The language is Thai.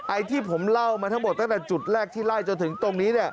ไอ้ที่ผมเล่ามาทั้งหมดตั้งแต่จุดแรกที่ไล่จนถึงตรงนี้เนี่ย